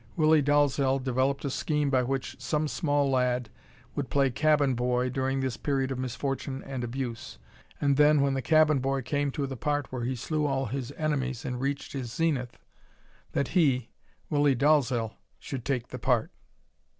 Willie Dalzel developed a scheme by which some small lad would play cabin boy during this period of misfortune and abuse, and then, when the cabin boy came to the part where he slew all his enemies and reached his zenith, that he, Willie Dalzel, should take the part.